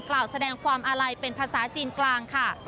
กล่าวแสดงความอาลัยเป็นภาษาจีนกลางค่ะ